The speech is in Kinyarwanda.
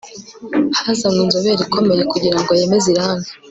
hazanywe inzobere ikomeye kugirango yemeze irangi